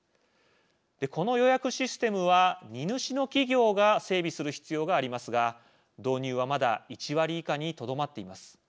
この予約システムは荷主の企業が整備する必要がありますが導入はまだ１割以下にとどまっています。